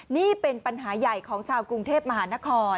นี่เป็นปัญหาใหญ่ของชาวกรุงเทพมหานคร